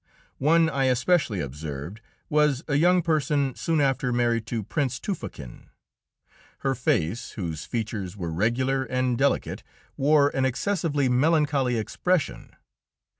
One I especially observed was a young person soon after married to Prince Tufakin. Her face, whose features were regular and delicate, wore an excessively melancholy expression.